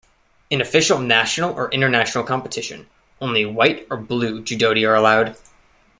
In official national or international competition only white or blue judogi are allowed.